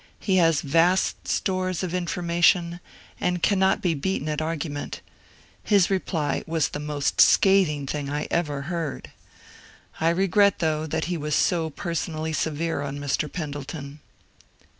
He has vast stores of information, and cannot be beaten at argument. His reply was the most scathing thing I ever heard. I regret, though, that he was so personally severe on Mr. Pen dleton."